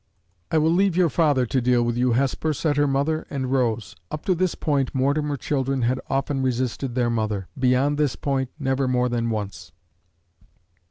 "I will leave your father to deal with you, Hesper," said her mother, and rose. Up to this point, Mortimer children had often resisted their mother; beyond this point, never more than once.